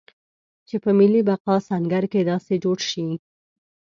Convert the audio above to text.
چې په ملي بقا سنګر کې داسې جوړ شي.